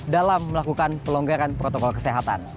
dalam melakukan pelonggaran protokol kesehatan